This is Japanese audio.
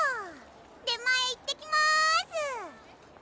出前行ってきまーす！